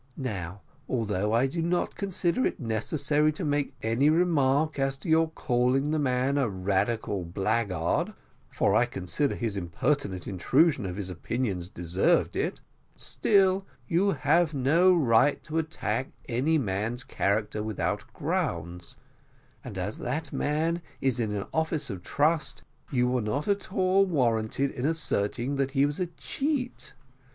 Now, although I do not consider it necessary to make any remark as to your calling the man a radical blackguard, for I consider his impertinent intrusion of his opinions deserved it, still you have no right to attack any man's character without grounds and as that man is in an office of trust, you were not at all warranted in asserting that he was a cheat.